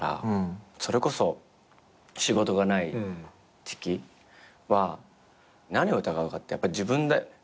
それこそ仕事がない時期は何を疑うかってやっぱり自分だよね。